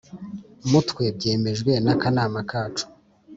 mutwe byemejwe n akanama kacu